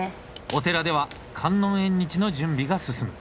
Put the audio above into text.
お寺では観音縁日の準備が進む。